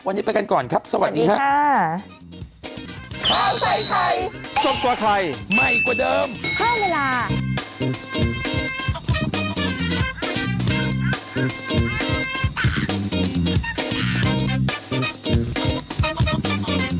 วันนี้ไปกันก่อนครับสวัสดีครับ